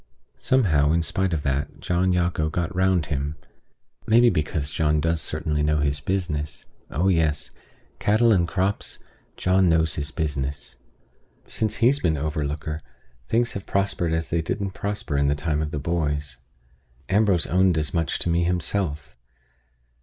Somehow, in spite of that, John Jago got round him; maybe because John does certainly know his business. Oh yes! Cattle and crops, John knows his business. Since he's been overlooker, things have prospered as they didn't prosper in the time of the boys. Ambrose owned as much to me himself.